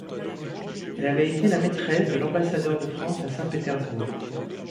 Elle avait été la maîtresse de l'ambassadeur de France à Saint-Pétersbourg.